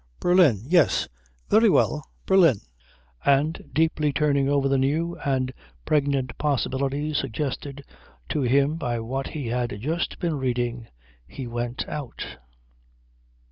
"Berlin. Yes. Very well. Berlin." And, deeply turning over the new and pregnant possibilities suggested to him by what he had just been reading, he went out.